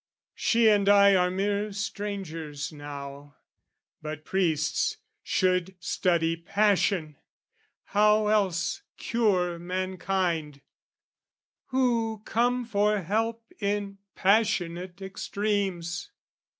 She and I are mere strangers now: but priests Should study passion; how else cure mankind, Who come for help in passionate extremes?